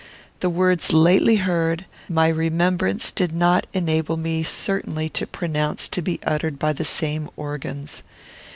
The words lately heard, my remembrance did not enable me certainly to pronounce to be uttered by the same organs.